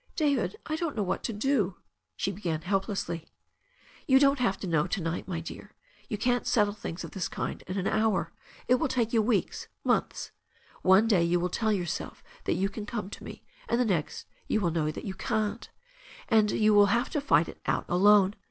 "David, I don't know what to do " she began help lessly. "You don't have to know to night, my dear girl. You can't settle things of this kind in an hour. It will take you weeks — ^months. One day you will tell yourself that you can come to me, and the next you will know you can't And you will have to fight it out alone.